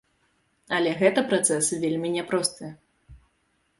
Але гэта працэс вельмі няпросты.